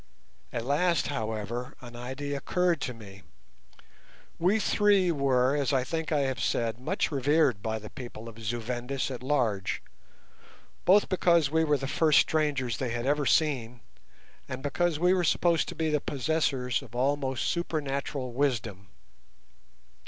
At last, however, an idea occurred to me. We three were, as I think I have said, much revered by the people of Zu Vendis at large, both because we were the first strangers they had ever seen, and because we were supposed to be the possessors of almost supernatural wisdom.